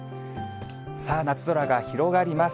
さあ、夏空が広がります。